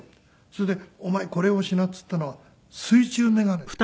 それで「お前これをしな」っつったのは水中眼鏡ですよ。